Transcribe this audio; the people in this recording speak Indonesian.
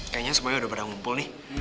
kayaknya semuanya udah pernah ngumpul nih